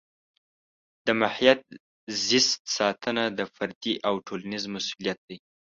د محیط زیست ساتنه د فردي او ټولنیز مسؤلیت دی.